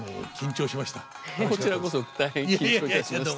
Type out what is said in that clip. こちらこそ大変緊張いたしました。